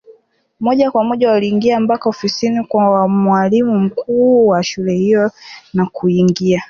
Moja kwa moja waliingia mpaka ofisini kwa mwalimu mkuu wa shule hiyo na kuingia